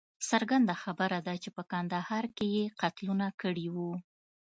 څرګنده خبره ده چې په کندهار کې یې قتلونه کړي وه.